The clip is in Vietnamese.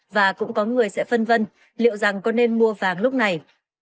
và cũng có người sẽ phân vân liệu rằng có nên mua vàng lúc này